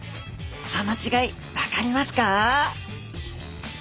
その違い分かりますか？